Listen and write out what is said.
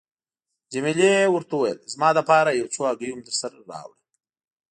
جميله ورته وویل: زما لپاره یو څو هګۍ هم درسره راوړه.